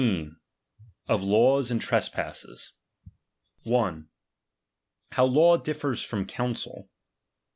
OP LAWS AND TRESPASSES. I. How law differs from counsel.